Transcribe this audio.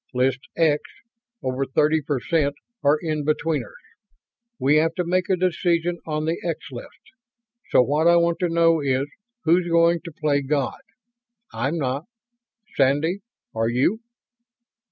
List 'X' over thirty percent are in betweeners. We have to make a decision on the 'X' list. So what I want to know is, who's going to play God. I'm not. Sandy, are you?"